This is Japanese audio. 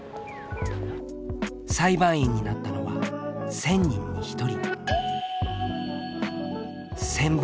裁判員になったのは１０００人に１人。